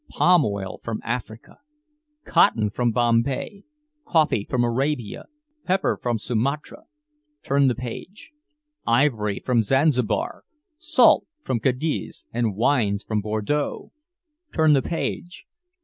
Palm oil from Africa, cotton from Bombay, coffee from Arabia, pepper from Sumatra. Turn the page. Ivory from Zanzibar, salt from Cadiz and wines from Bordeaux. Turn the page.